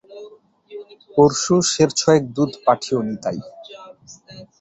পরশু সের ছয়েক দুধ পাঠিও নিতাই।